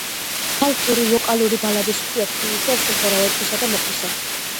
ხალხური ვოკალური ბალადის იშვიათი ნიმუშია „სიმღერა ვეფხისა და მოყმისა“.